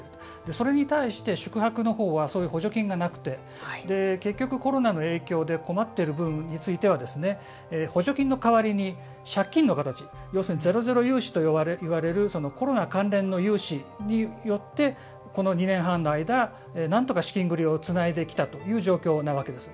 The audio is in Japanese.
それに対して宿泊のほうはそういう補助金がなくて結局コロナの影響で困っている分については補助金の変わりに借金の形要するにゼロゼロ融資と言われるコロナ関連の融資によってこの２年半の間なんとか資金繰りをつないできた状況です。